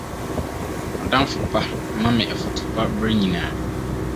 M'adamfo pa ma me afotu pa bere nyinaa.